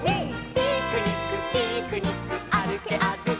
「ピクニックピクニックあるけあるけ」